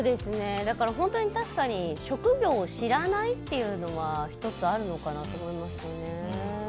本当に確かに職業を知らないというのは１つ、あるのかなと思いますね。